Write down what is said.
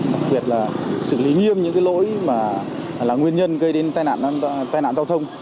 đặc biệt là xử lý nghiêm những lỗi là nguyên nhân gây đến tai nạn giao thông